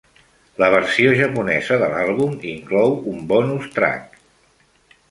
La versió japonesa de l'àlbum inclou un bonus track.